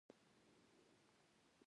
چې خواږه بچي له ځانه لېرې کوو.